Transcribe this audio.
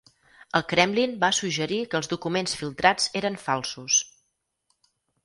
El Kremlin va suggerir que els documents filtrats eren falsos.